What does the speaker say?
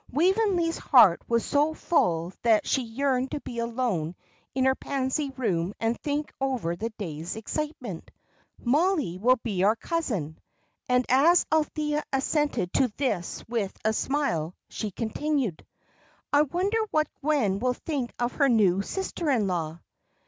Waveney's heart was so full that she yearned to be alone in her Pansy Room and think over the day's excitement. "Mollie will be our cousin." And as Althea assented to this with a smile, she continued, "I wonder what Gwen will think of her new sister in law?"